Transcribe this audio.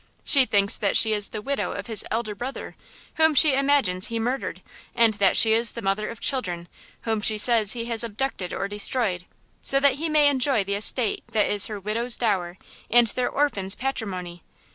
She thinks that she is the widow of his elder brother, whom she imagines he murdered, and that she is the mother of children, whom she says he has abducted or destroyed, so that he may enjoy the estate that is her widow's dower and their orphans' patrimony.